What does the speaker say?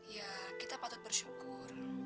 ya kita patut bersyukur